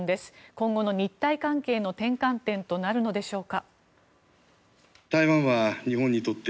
今後の日台関係の転換点となるのでしょうか。